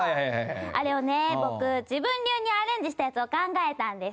あれをね、僕、自分流にアレンジしたやつを考えたんです。